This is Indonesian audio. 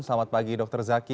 selamat pagi dokter zaki